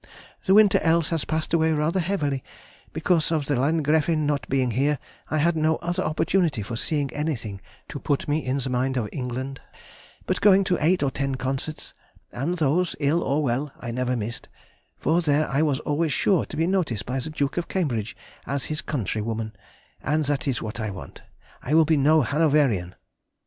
The winter else has passed away rather heavily, because the Landgräfin not being here, I had no other opportunity for seeing anything to put me in mind of England, but going to eight or ten concerts, and those, ill or well, I never missed, for there I was always sure to be noticed by the Duke of Cambridge as his countrywoman (and that is what I want, I will be no Hanoverian!)